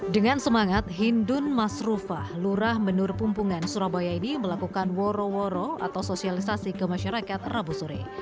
dengan semangat hindun masrufah lurah menur pumpungan surabaya ini melakukan woro woro atau sosialisasi ke masyarakat rabu sore